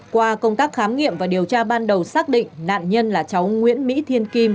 qua công tác khám nghiệm và điều tra ban đầu xác định nạn nhân là cháu nguyễn mỹ thiên kim